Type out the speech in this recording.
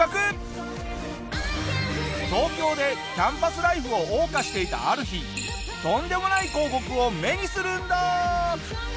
東京でキャンパスライフを謳歌していたある日とんでもない広告を目にするんだ！